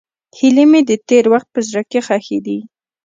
هیلې مې د تېر وخت په زړه کې ښخې دي.